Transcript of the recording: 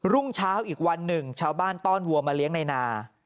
รุ่งเช้าอีกวันหนึ่งชาวบ้านต้อนวัวมาเลี้ยงในนา